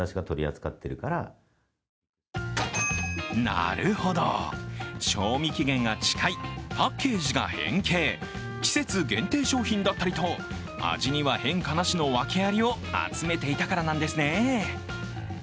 なるほど、賞味期限が近いパッケージが変形、季節限定商品だったりと、味には変化なしのワケありを集めていたからなんですね。